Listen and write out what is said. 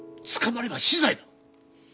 捕まれば死罪だ。